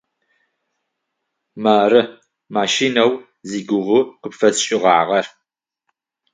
Мары машинэу зигугъу къыпфэсшӏыгъагъэр.